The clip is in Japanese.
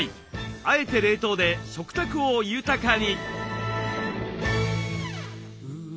「あえて」冷凍で食卓を豊かに。